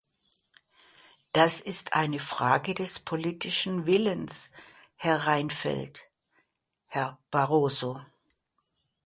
Das ist eine Frage des politischen Willens, Herr Reinfeldt, Herr Barroso.